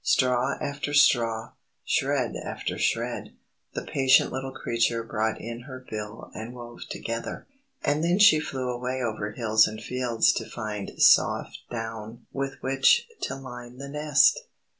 Straw after straw, shred after shred, the patient little creature brought in her bill and wove together. And then she flew away over hills and fields to find soft down with which to line the nest.